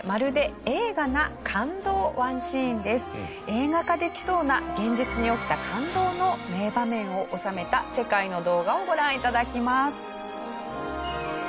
映画化できそうな現実に起きた感動の名場面を収めた世界の動画をご覧頂きます。